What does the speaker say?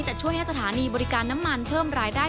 จะช่วยให้สถานีบริการน้ำมันเพิ่มรายได้